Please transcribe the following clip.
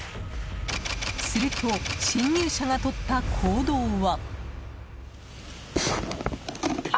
すると侵入者が取った行動は。